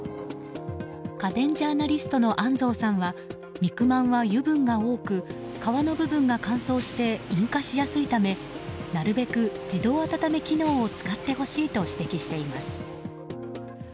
家電ジャーナリストの安蔵さんは肉まんは油分が多く皮の部分が乾燥して引火しやすいためなるべく自動温め機能を使ってほしいと指摘しています。